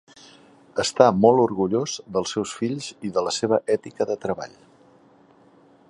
Està molt orgullós dels seus fills i de la seva ètica de treball.